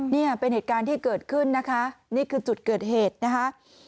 นี่เป็นเหตุการณ์ที่เกิดขึ้นนะคะนี่คือจุดเกิดเหตุนะคะ